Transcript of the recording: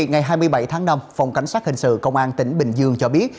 ngày hai mươi bảy tháng năm phòng cảnh sát hình sự công an tỉnh bình dương cho biết